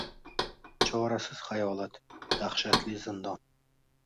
Chorasiz xayolot – dahshatli zindon.